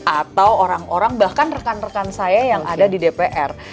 atau orang orang bahkan rekan rekan saya yang ada di dpr